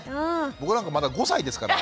僕なんかまだ５歳ですから。